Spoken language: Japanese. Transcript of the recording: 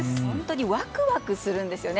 ワクワクするんですね